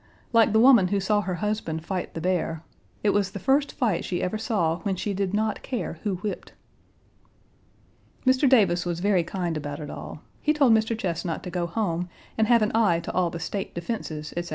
Like the woman who saw her husband fight the bear, "It was the first fight she ever saw when she did not care who whipped." Mr. Davis was very kind about it all. He told Mr. Chesnut to go home and have an eye to all the State defenses, etc.